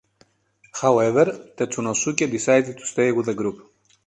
However, Tetsunosuke decided to stay with the group.